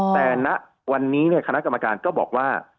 แต่ณวันนี้คณะกรรมการก็บอกว่า